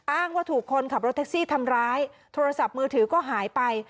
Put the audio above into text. ว่าถูกคนขับรถแท็กซี่ทำร้ายโทรศัพท์มือถือก็หายไป